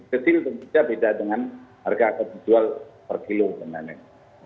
kecil tentu saja beda dengan harga apel dijual per kilo benar benar